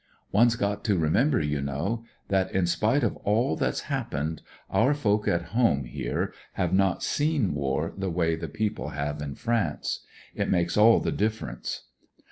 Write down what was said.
"One's got to remember, you know, that in spite of all that's happened our THE HOSPITAL MAH^BAGS 181 folk at home here have not seen war the way the people have in France. It makes all the difference.